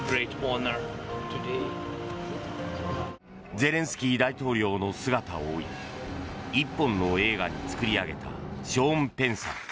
ゼレンスキー大統領の姿を追い１本の映画に作り上げたショーン・ペンさん。